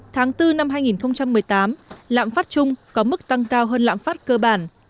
tháng bốn năm hai nghìn một mươi tám lạm phát chung có mức tăng cao hơn lạm phát cơ bản